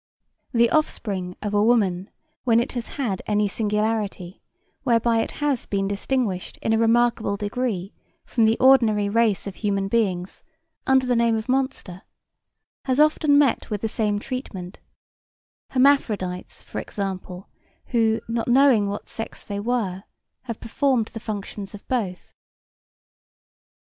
The offspring of a woman when it has had any singularity whereby it has been distinguished in a remarkable degree from the ordinary race of human beings under the name of monster has often met with the same treatment hermaphrodites [for example] who, not knowing what sex they were, have performed the functions of both.